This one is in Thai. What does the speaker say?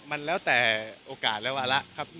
มันแล้วแต่โอกาสและวาระครับ